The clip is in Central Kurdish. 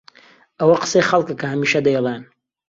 ئەوە قسەی خەڵکە کە هەمیشە دەیڵێن.